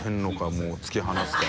もう突き放すか。